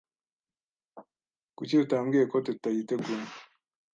Kuki utambwiye ko Teta yiteguye?